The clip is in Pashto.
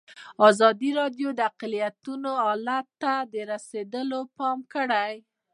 ازادي راډیو د اقلیتونه حالت ته رسېدلي پام کړی.